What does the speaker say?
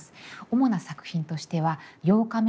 主な作品としては「八日目の」